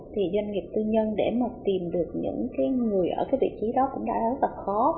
thì doanh nghiệp tư nhân để mà tìm được những cái người ở cái vị trí đó cũng đã rất là khó